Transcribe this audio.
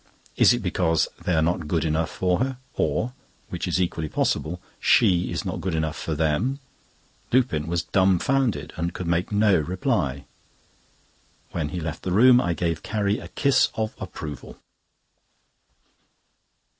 Is it because they are not good enough for her, or (which is equally possible) she is not good enough for them?" Lupin was dumbfounded, and could make no reply. When he left the room, I gave Carrie a kiss of approval.